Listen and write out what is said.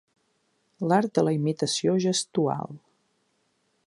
L'art de la imitació gestual.